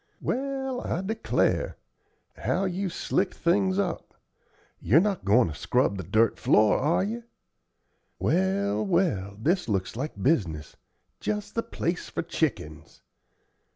"Well, I declare! How you've slicked things up! You're not goin' to scrub the dirt floor, are you? Well, well, this looks like business just the place for chickens.